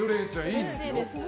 いいですよ。